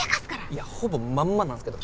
いやほぼまんまなんですけど。